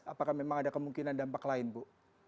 apakah memang ada kemungkinan dampak lain bu